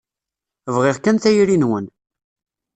Bɣiɣ kan tayri-nwen.